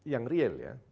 yang real ya